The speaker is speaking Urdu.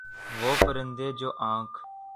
وہ پرندے جو آنکھ